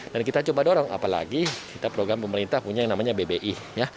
dan kita coba dorong apalagi kita program pemerintah punya yang namanya bbi